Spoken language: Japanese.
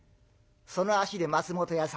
その足で松本屋さんへ。